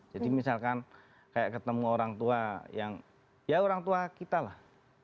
jadi misalkan kayak ketemu orang tua yang ya orang tua kita lah